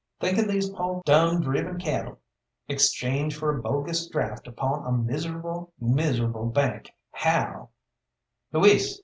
Think of these poh dumb driven cattle, exchanged for a bogus draft upon a miserable, miserable bank how " "Luis!"